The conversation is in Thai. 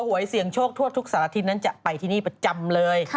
หวยเสี่ยงโชคทั่วทุกสารทิตย์นั้นจะไปที่นี่ประจำเลย